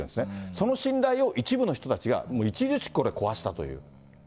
その信頼を、一部の人たちが著しく壊したという。